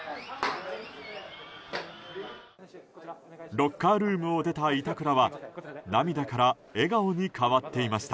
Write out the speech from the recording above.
ロッカールームを出た板倉は涙から笑顔に変わっていました。